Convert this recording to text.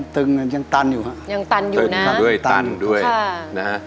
ตึงยังตันอยู่ยังตันอยู่นะตันด้วยตันด้วยค่ะนะฮะ